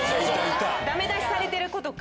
ダメ出しされてる子とか。